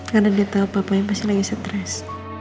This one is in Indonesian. karena dia tau papanya pasti lagi stres